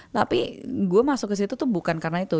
tapi gue masuk ke situ tuh bukan karena itu